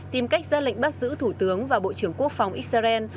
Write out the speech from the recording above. tìm cách ra lệnh bắt giữ thủ tướng và bộ trưởng quốc phòng israel